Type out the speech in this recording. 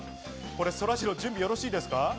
そらジロー、準備はよろしいですか？